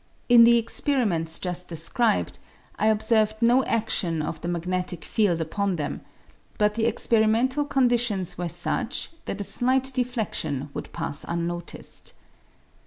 In the experiments just described, I observed no adlion of the magnetic field upon them, but the experimental conditions were such that a slight deflexion would pass unnoticed.